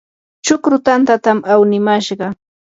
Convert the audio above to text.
chukru tantatam awnimashqa.